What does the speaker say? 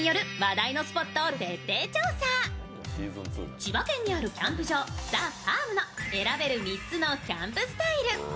千葉県にあるキャンプ場ＴＨＥＦＡＲＭの選べる３つのキャンプスタイル。